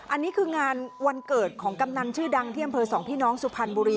อันนี้คืองานวันเกิดของกำนันชื่อดังที่อำเภอสองพี่น้องสุพรรณบุรี